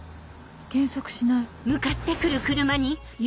減速しない